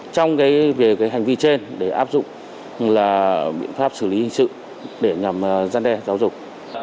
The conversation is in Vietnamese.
trong cái về cái hành vi trên để áp dụng là biện pháp xử lý hình sự để ngầm gian đe giáo dục